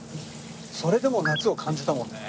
それでも夏を感じたもんね。